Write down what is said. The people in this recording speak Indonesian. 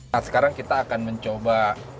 nah sekarang kita akan mencoba